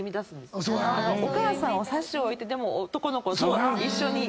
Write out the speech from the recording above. お母さんを差し置いてでも男の子と一緒にいたい。